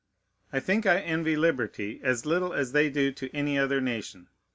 I think I envy liberty as little as they do to any other nation.